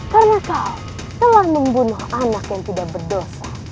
karena kau telah membunuh anak yang tidak berdosa